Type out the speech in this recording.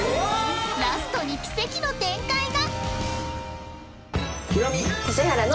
ラストに奇跡の展開が！？